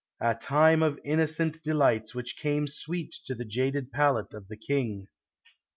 A time of innocent delights which came sweet to the jaded palate of the King.